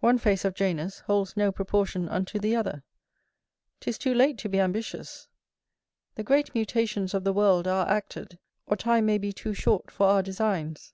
One face of Janus holds no proportion unto the other. 'Tis too late to be ambitious. The great mutations of the world are acted, or time may be too short for our designs.